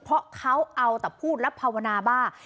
เพราะเขาเอาแต่พูดและภาวนาบ้า